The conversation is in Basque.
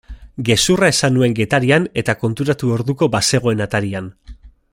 Gezurra esan nuen Getarian eta konturatu orduko bazegoen atarian.